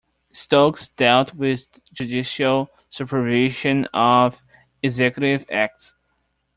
Stokes dealt with judicial supervision of executive acts.